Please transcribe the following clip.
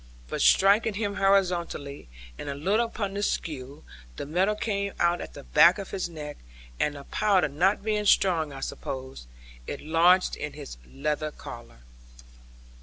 But striking him horizontally, and a little upon the skew, the metal came out at the back of his neck, and (the powder not being strong, I suppose) it lodged in his leather collar.